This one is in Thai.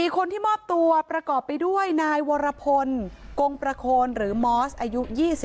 คนที่มอบตัวประกอบไปด้วยนายวรพลกงประโคนหรือมอสอายุ๒๓